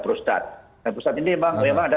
prostat nah pusat ini memang ada